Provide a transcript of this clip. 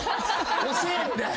遅えんだよ。